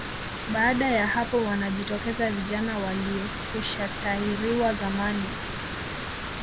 Baada ya hapo wanajitokeza vijana waliokwishatahiriwa zamani